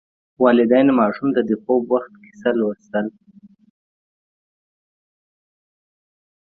والدین ماشوم ته د خوب وخت کیسه لوستل.